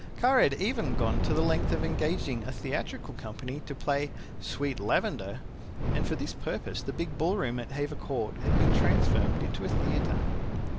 Kara had even gone to the length of engaging a theatrical company to play "Sweet Lavender," and for this purpose the big ballroom at Hever Court had been transformed into a theatre.